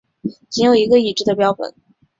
仅有一个已知的标本。